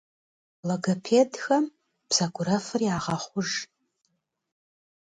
Логопедхэм бзэгурэфыр ягъэхъуж.